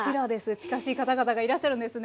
近しい方々がいらっしゃるんですね。